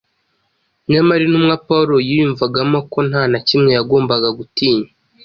Nyamara intumwa Pawulo yiyumvagamo ko nta na kimwe yagombaga gutinya